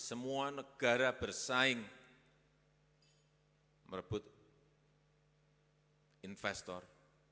semua negara bersaing merebut investor